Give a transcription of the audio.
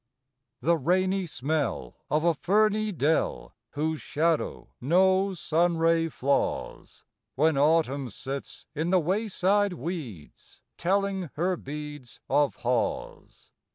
The rainy smell of a ferny dell, Whose shadow no sunray flaws, When Autumn sits in the wayside weeds Telling her beads Of haws.